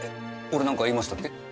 俺何か言いましたっけ？